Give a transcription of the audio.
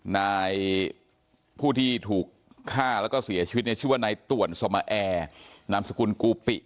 นายผู้ที่ถูกฆ่าแล้วก็เสียชีวิตเนี่ยชื่อว่านายต่วนสมาแอร์นามสกุลกูปิ